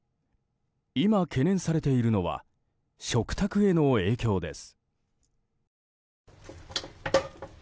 今、懸念されているのは食卓への影響です。